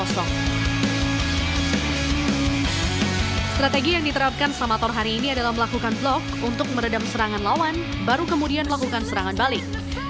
strategi yang diterapkan samator hari ini adalah melakukan blok untuk meredam serangan lawan baru kemudian melakukan serangan balik